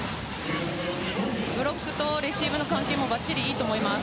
ブロックとレシーブの関係性もばっちりいいと思います。